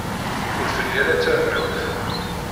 Ur telli ara d tarennawt.